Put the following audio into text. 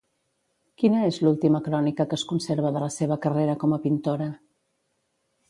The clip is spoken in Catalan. Quina és l'última crònica que es conserva de la seva carrera com a pintora?